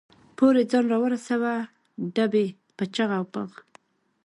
پورې ځان را ورساوه، ډبې په چغ او بغ.